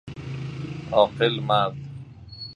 عاقل مرد